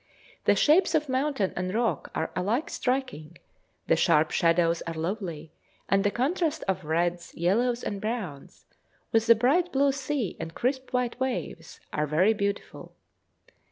The shapes of mountain and rock are alike striking, the sharp shadows are lovely, and the contrast of reds, yellows, and browns, with the bright blue sea and crisp white waves, is very beautiful.